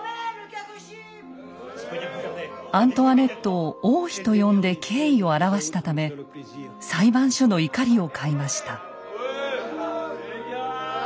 アントワネットを「王妃」と呼んで敬意を表したため裁判所の怒りを買いました。